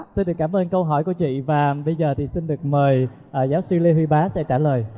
xin cảm ơn câu hỏi của chị và bây giờ thì xin được mời giáo sư lê huy bá sẽ trả lời